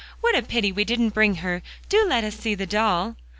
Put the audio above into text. "What a pity we didn't bring her! Do let us see the doll."